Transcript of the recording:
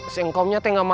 singkomnya teh gak mau a